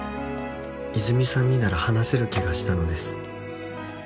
「泉さんになら話せる気がしたのです」